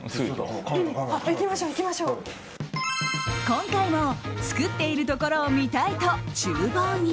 今回も作っているところを見たいと厨房に。